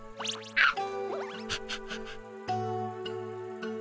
あっ。